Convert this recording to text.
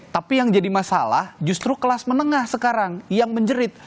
tapi yang jadi masalah justru kelas menengah sekarang yang menjerit